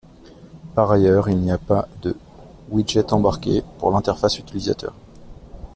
Par ailleurs, il n’y a pas de widgets embarqués pour l’interface utilisateur.